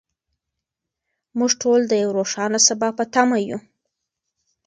موږ ټول د یو روښانه سبا په تمه یو.